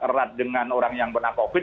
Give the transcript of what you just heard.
erat dengan orang yang pernah covid